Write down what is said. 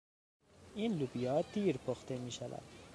این لوبیا دیر پخته میشود.